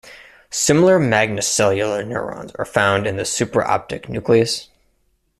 Similar magnocellular neurons are found in the supraoptic nucleus.